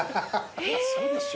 嘘でしょ。